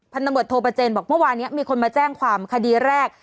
ตำรวจโทประเจนบอกเมื่อวานนี้มีคนมาแจ้งความคดีแรก